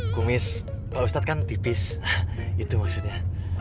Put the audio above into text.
kumis pak ustadz kan pipis itu maksudnya